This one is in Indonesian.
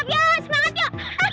kamu berani bu